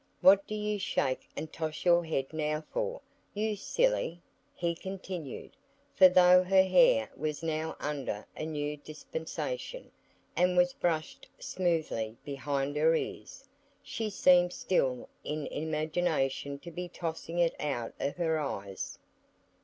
"What do you shake and toss your head now for, you silly?" he continued; for though her hair was now under a new dispensation, and was brushed smoothly behind her ears, she seemed still in imagination to be tossing it out of her eyes.